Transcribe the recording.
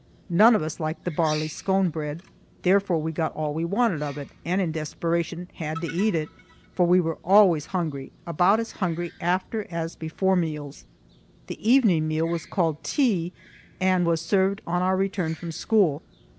None of us liked the barley scone bread, therefore we got all we wanted of it, and in desperation had to eat it, for we were always hungry, about as hungry after as before meals. The evening meal was called "tea" and was served on our return from school.